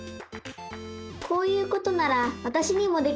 こういうことならわたしにもできそう！